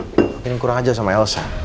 mungkin kurang aja sama elsa